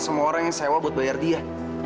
semua orang yang sewa buat bayar dia